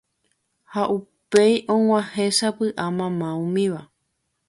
ha upéi og̃uahẽ sapy'a mama umíva.